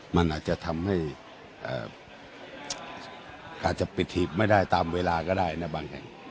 มันอาจจะทำให้อาจจะปิดหีบไม่ได้ตามเวลาก็ได้นะบางแห่ง